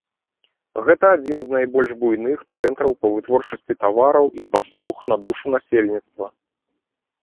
Гэта адзін з найбольш буйных цэнтраў па вытворчасці тавараў і паслуг на душу насельніцтва.